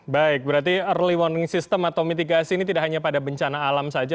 baik berarti early warning system atau mitigasi ini tidak hanya pada bencana alam saja